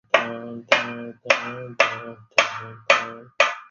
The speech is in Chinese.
是文化大革命期间的温州地区权力机关。